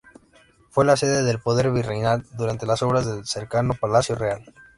Fue la sede del poder virreinal durante las obras del cercano Palacio Real.